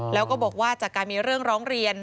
แล้วก็บอกว่าจากการมีเรื่องร้องเรียน